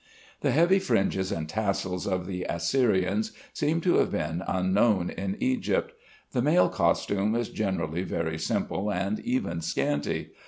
The heavy fringes and tassels of the Assyrians seem to have been unknown in Egypt. The male costume is generally very simple and even scanty.